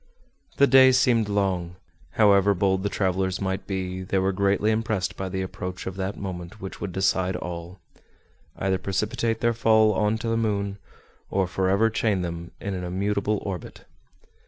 The day seemed long. However bold the travelers might be, they were greatly impressed by the approach of that moment which would decide all—either precipitate their fall on to the moon, or forever chain them in an immutable orbit.